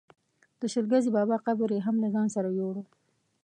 د شل ګزي بابا قبر یې هم له ځانه سره یووړ.